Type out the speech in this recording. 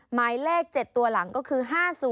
หมายเลข๗ตัวหลังก็คือ๕๐